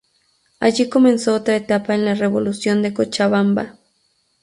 Allí comenzó otra etapa en la revolución de Cochabamba.